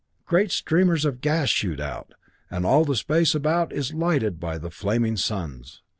Great streamers of gas shoot out, and all the space about is lighted by the flaming suns.